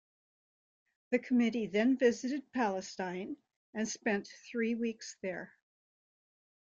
The Committee then visited Palestine and spent three weeks there.